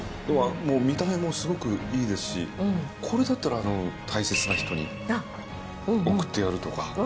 見た目もすごくいいですしこれだったら大切な人に贈ってやるとか。